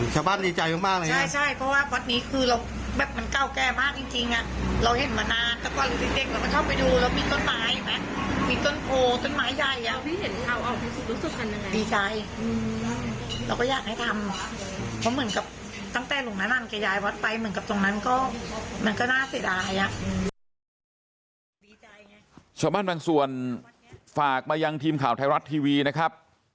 ชาวบ้านบางส่วนฝากมายังทีมข่าวไทยรัฐทีวีนะครับ